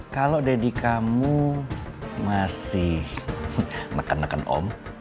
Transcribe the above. kalau deddy kamu masih neken neken om